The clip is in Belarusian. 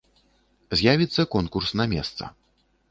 З'явіцца конкурс на месца.